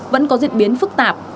vẫn có diễn biến phức tạp